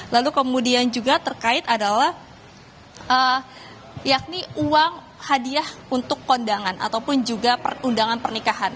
lalu kemudian juga terkait adalah yakni uang hadiah untuk kondangan ataupun juga perundangan pernikahan